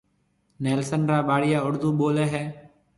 نيلسن را ٻاݪيا اُردو ٻوليَ ھيََََ